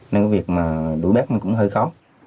nên cái việc mà đuổi bác mình cũng hơi khó